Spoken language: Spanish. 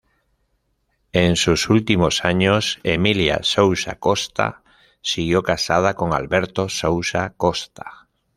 En sus últimos años, Emilia Sousa Costa siguió casada con Alberto Sousa Costa.